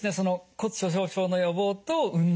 骨粗しょう症の予防と運動